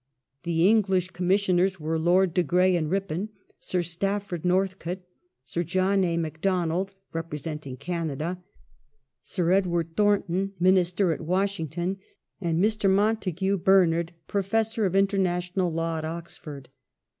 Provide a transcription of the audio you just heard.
The English commissioners were Lord de Grey and Ripon,^ Sir Stafford Northcote, Sir John A. Macdonald (representing Canada), Sir Edward Thornton, Minister at Washington, and Mr. Mountagu Bernard, Professor of International Law at Oxford.